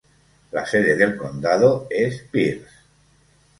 La sede del condado es Pierce.